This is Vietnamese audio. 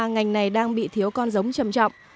ngành này đang bị thiếu con giống chầm trọng